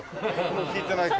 聞いてないか。